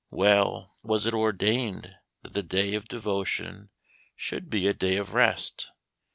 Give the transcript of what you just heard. Well was it ordained that the day of devotion should be a day of rest.